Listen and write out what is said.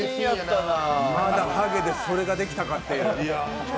まだ、はげでそれができたかっていう。